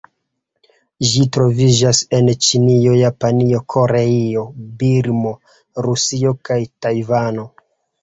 Ĝi troviĝas en Ĉinio, Japanio, Koreio, Birmo, Rusio kaj Tajvano.